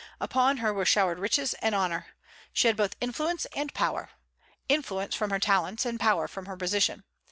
Upon her were showered riches and honor. She had both influence and power, influence from her talents, and power from her position.